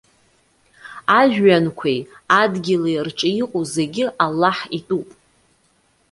Ажәҩанқәеи адгьыли рҿы иҟоу зегьы Аллаҳ итәуп.